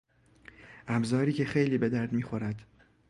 ابزاری که خیلی به درد میخورد